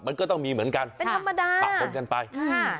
มันก็ต้องมีเหมือนกันเป็นธรรมดาปะปนกันไปอ่า